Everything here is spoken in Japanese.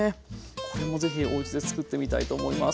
これもぜひおうちで作ってみたいと思います。